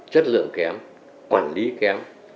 chất lượng kém quản lý kém